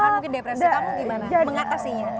mungkin depresi kamu bagaimana mengatasinya